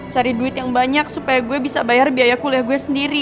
cari duit yang banyak supaya gue bisa bayar biaya kuliah gue sendiri